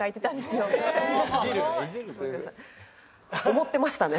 思ってましたね。